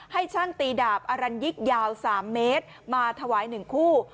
ให้ช่างตีดาบอรัญยิกยาว๓เมตรมาถวาย๑คู่